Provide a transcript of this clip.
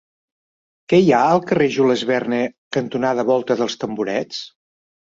Què hi ha al carrer Jules Verne cantonada Volta dels Tamborets?